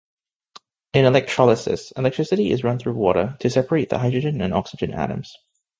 In electrolysis, electricity is run through water to separate the hydrogen and oxygen atoms.